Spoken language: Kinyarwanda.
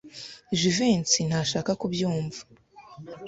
Jivency ntashaka kubyumva.